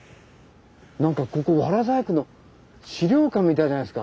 なんかここワラ細工の資料館みたいじゃないですか。